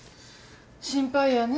心配やね。